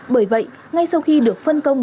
bởi vậy ngay sau khi được phân công